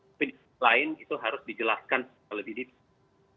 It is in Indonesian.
tapi di titik lain itu harus dijelaskan lebih lebih lebih